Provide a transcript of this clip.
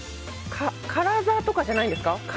カラザじゃないんですか？